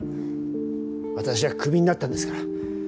私はクビになったんですから。